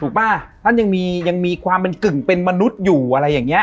ป่ะท่านยังมียังมีความเป็นกึ่งเป็นมนุษย์อยู่อะไรอย่างเงี้